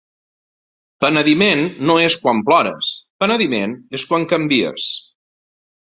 Penediment no és quan plores, penediment és quan canvies.